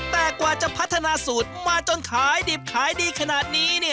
แต่กว่าจะพัฒนาสูตรมาจนขายดิบขายดีขนาดนี้